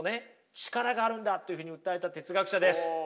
力があるんだというふうに訴えた哲学者です。